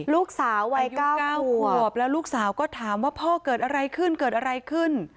ลูกสาววัย๙ขวบแล้วลูกสาวก็ถามว่าพ่อเกิดอะไรขึ้นเกิดอะไรขึ้น